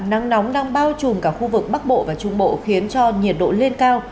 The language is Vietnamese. nắng nóng đang bao trùm cả khu vực bắc bộ và trung bộ khiến cho nhiệt độ lên cao